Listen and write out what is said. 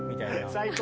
最高！